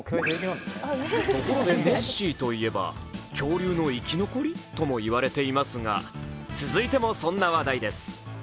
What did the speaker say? ところでネッシーといえば恐竜の生き残り？ともいわれていますが続いても、そんな話題です。